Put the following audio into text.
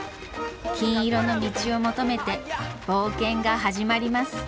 金色の道を求めて冒険が始まります。